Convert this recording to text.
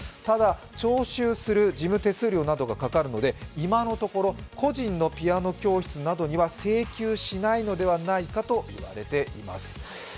ただ、徴収する事務手数料などがかかるので今のところ、個人のピアノ教室などには請求しないのではないかと言われています。